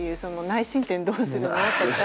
「内申点どうするの？」とか。